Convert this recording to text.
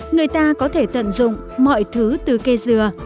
người ta có thể tận dụng mọi thứ từ cây dừa